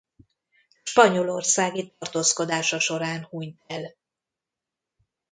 Spanyolországi tartózkodása során hunyt el.